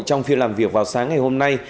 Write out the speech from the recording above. trong phiên làm việc vào sáng ngày hôm nay